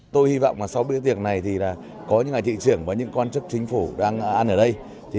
tôi hy vọng sau bữa tiệc này có những thị trưởng và những quan chức chính phủ đang ăn ở đây